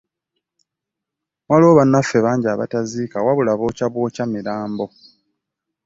Waliwo bannaffe bangi abataziika wabula bookya bwokya mirambo.